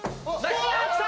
きた！